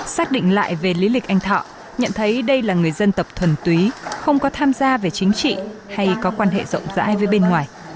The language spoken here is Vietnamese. xác định lại về lý lịch anh thọ nhận thấy đây là người dân tập thuần túy không có tham gia về chính trị hay có quan hệ rộng rãi với bên ngoài